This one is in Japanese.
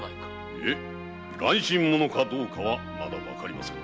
いえ乱心者かどうかはまだ判りませぬ。